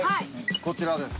こちらです。